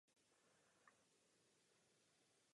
Toto období je také časem k urovnání sporů a špatných vztahů.